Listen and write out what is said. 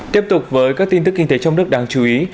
tiếp tục với các tin tức kinh tế trong nước đáng chú ý